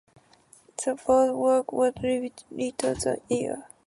The boardwalk was rebuilt later that year.